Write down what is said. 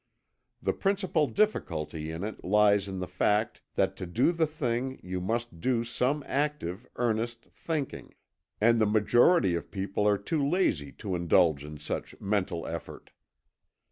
The principal difficulty in it lies in the fact that to do the thing you must do some active earnest thinking, and the majority of people are too lazy to indulge in such mental effort.